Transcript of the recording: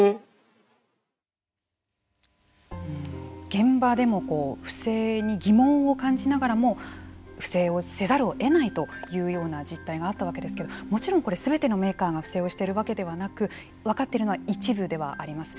現場でも不正に疑問を感じながらも不正をせざるを得ないというような実態があったわけですけれどももちろんこれすべてのメーカーが不正をしているわけではなく分かっているのは一部ではあります。